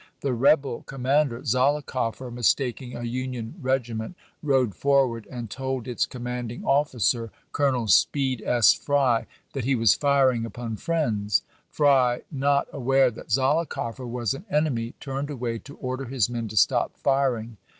The rebel commander, Zollicoffer, mistaking a Union regi ment, rode forward and told its commanding offi cer. Colonel Speed S. Frj^, that he was firing upon friends. Fry, not aware that Zollicoffer was an enemy, turned away to order his men to stop firing.